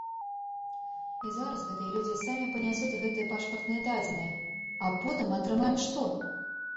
І зараз гэтыя людзі самі панясуць гэтыя пашпартныя дадзеныя, а потым мы атрымаем што?